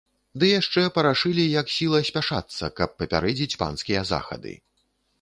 Ды яшчэ парашылі як сіла спяшацца, каб папярэдзіць панскія захады.